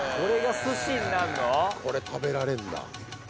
「これ食べられるんだ」